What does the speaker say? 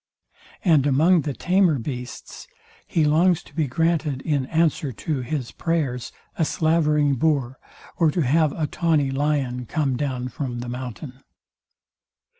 [And, among the tamer beasts, [he] longs to be granted, in answer to his prayers, a slavering boar, or to have a tawny lion come down from the mountain.